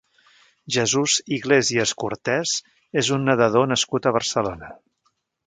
Jesus Iglesias Cortes és un nedador nascut a Barcelona.